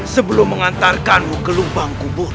sebelum mengantarkanmu ke lubang kubu